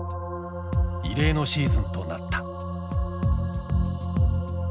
異例のシーズンとなった。